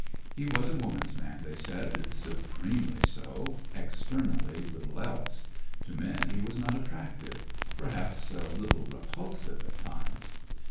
He was a woman's man, they said,—supremely so—externally little else. To men he was not attractive; perhaps a little repulsive at times.